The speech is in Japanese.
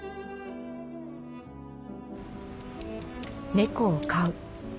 「猫を飼う。